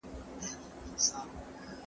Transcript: دوی تر دې وړاندي مصارف غیرمؤلد ګڼلي وو.